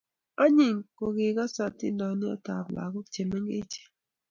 anyiny ke kosei atindiotab lagok che mengechen